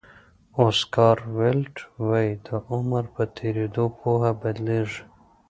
اوسکار ویلډ وایي د عمر په تېرېدو پوهه بدلېږي.